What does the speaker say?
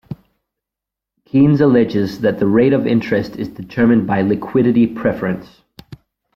Keynes alleges that the rate of interest is determined by liquidity preference.